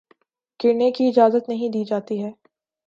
گرنے کی اجازت نہیں دی جاتی ہے